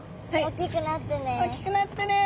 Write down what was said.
おっきくなってね！